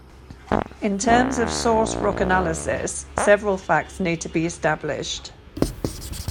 In terms of source rock analysis, several facts need to be established.